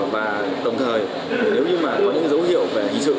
và đồng thời nếu như mà có những dấu hiệu về hình sự